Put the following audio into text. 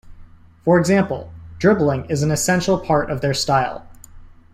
For example, dribbling is an essential part of their style.